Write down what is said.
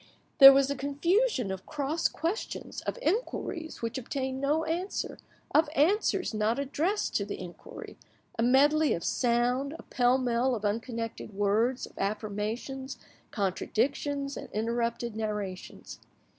There was a confusion of cross questions, of inquiries which obtained no answer, of answers not addressed to the inquiry, a medley of sound, a pell mell of unconnected words, of affirmations, contradictions, and interrupted narrations.